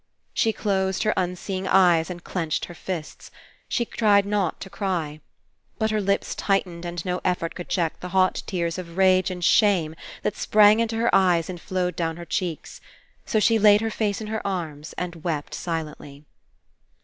She closed her unseeing eyes and 163 PASSING clenched her fists. She tried not to cry. But her Hps tightened and no effort could check the hot tears of rage and shame that sprang into her eyes and flowed down her cheeks; so she laid her face in her arms and wept silently.